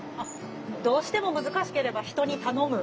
どうしても難しければ人に頼む。